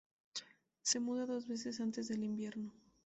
Se muda dos veces antes del invierno.